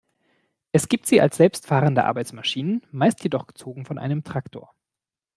Es gibt sie als Selbstfahrende Arbeitsmaschinen, meist jedoch gezogen von einem Traktor.